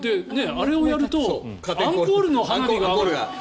あれをやるとアンコールの花火が。